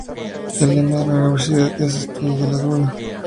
El lema de la universidad es "Estudio en la duda.